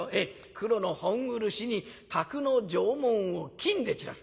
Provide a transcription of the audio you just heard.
黒の本漆に宅の定紋を金で散らす。